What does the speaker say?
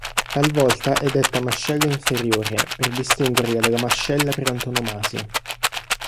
Talvolta è detta mascella inferiore, per distinguerla dalla mascella per antonomasia.